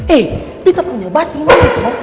eh kita punya batinnya gitu